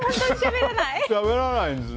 しゃべらないんですね。